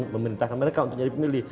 memerintahkan mereka untuk jadi pemilih